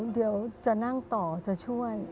เดี๋ยวจะนั่งต่อจะช่วย